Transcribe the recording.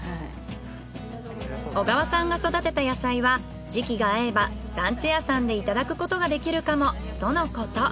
小川さんが育てた野菜は時期が合えばさんち家さんでいただくことができるかもとのこと。